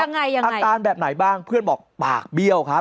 ยังไงอาการแบบไหนบ้างเพื่อนบอกปากเบี้ยวครับ